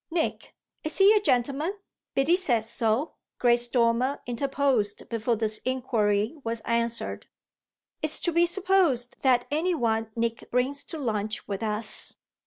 "Nick, is he a gentleman? Biddy says so," Grace Dormer interposed before this inquiry was answered. "It's to be supposed that any one Nick brings to lunch with us